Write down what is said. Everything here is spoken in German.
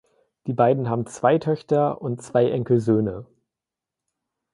Die beiden haben zwei Töchter und zwei Enkelsöhne.